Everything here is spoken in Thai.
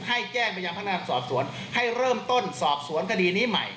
ให้แจ้งไปยังพนักงานสอบสวนให้เริ่มต้นสอบสวนคดีนี้ใหม่